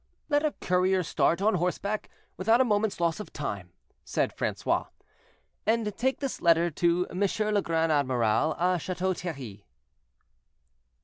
"Let a courier start on horseback, without a moment's loss of time," said Francois, "and take this letter to Monsieur le Grand amiral à Chateau Thierry."